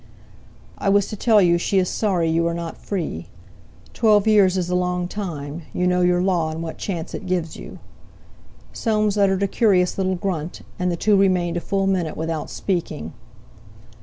"I was to tell you she is sorry you are not free. Twelve years is a long time. You know your law, and what chance it gives you." Soames uttered a curious little grunt, and the two remained a full minute without speaking.